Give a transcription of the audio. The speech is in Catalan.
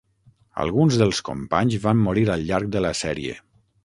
Alguns dels companys van morir al llarg de la sèrie.